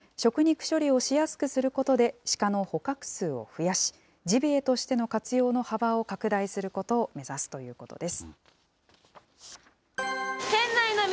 長野県では実証実験を始め、食肉処理をしやすくすることで、シカの捕獲数を増やし、ジビエとしての活用の幅を拡大することを目指すということです。